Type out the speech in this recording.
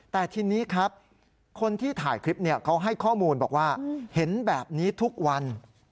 แต่ทีนี้ครับคนที่ถ่ายคลิปเขาให้ข้อมูลบอกว่าเห็นแบบนี้ทุกวัน